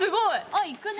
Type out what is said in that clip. あっいくね。